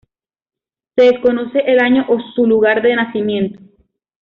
Se desconoce el año o su lugar de nacimiento.